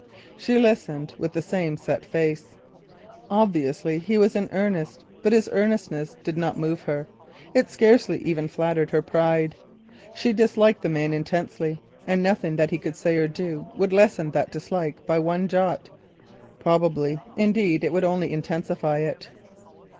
She listened with the same set face. Obviously he was in earnest, but his earnestness did not move her; it scarcely even flattered her pride. She disliked the man intensely, and nothing that he could say or do would lessen that dislike by one jot—probably, indeed, it would only intensify it.